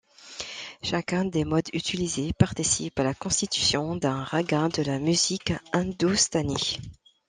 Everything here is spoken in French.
Chacun des modes utilisés participe à la constitution d'un râga de la musique hindoustanie.